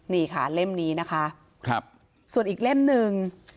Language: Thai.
นี่ค่ะเล่มนี้นะคะครับส่วนอีกเล่มหนึ่ง